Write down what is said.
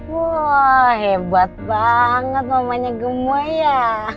wah hebat banget mamanya gemoy ya